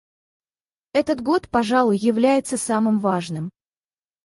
Этот год, пожалуй, является самым важным.